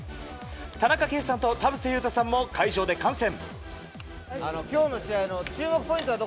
田中圭さんと田臥勇太さんも会場で観戦。